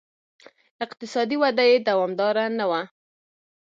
اقتصادي وده یې دوامداره نه وه.